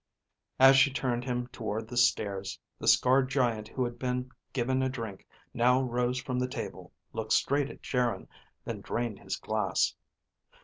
As she turned him toward the stairs, the scarred giant who had been given a drink, now rose from the table, looked straight at Geryn, then drained his glass.